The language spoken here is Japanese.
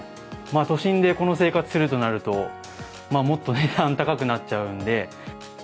都心でこの生活するとなると、もっと値段高くなっちゃうんで。